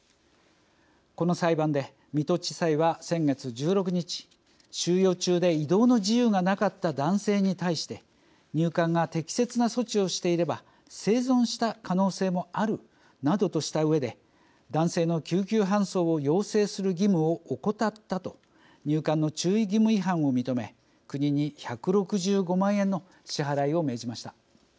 この裁判で水戸地裁は先月１６日収容中で移動の自由がなかった男性に対して入管が適切な措置をしていれば生存した可能性もあるなどとしたうえで男性の救急搬送を要請する義務を怠ったと、入管の注意義務違反を認め国に１６５万円の支払いを命じました。